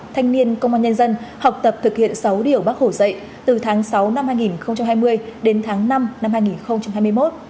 thanh niên công an nhân dân học tập thực hiện sáu điều bác hồ dạy từ tháng sáu năm hai nghìn hai mươi đến tháng năm năm hai nghìn hai mươi một